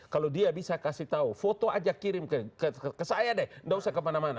kalau dia bisa kasih tahu foto aja kirim ke saya deh nggak usah kemana mana